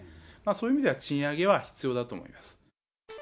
そういう意味では賃上げは必要だと思います。